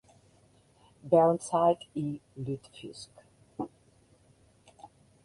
Burnside i Lutefisk.